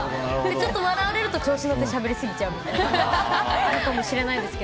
ちょっとも笑われると調子に乗ってしゃべり過ぎちゃうみたいなあるかもしれないですけど。